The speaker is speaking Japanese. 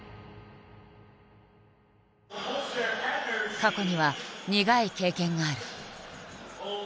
過去には苦い経験がある。